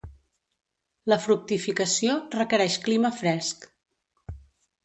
La fructificació requereix clima fresc.